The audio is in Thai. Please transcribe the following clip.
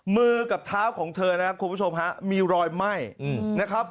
มือกับเท้าของเธอนะครับคุณผู้ชมฮะมีรอยไหม้นะครับ